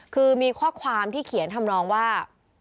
คือมีข้อความที่เขียนทำนองว่า